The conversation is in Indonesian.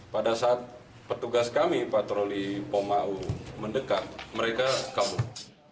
pada saat petugas kami patroli pom au mendekat mereka kabur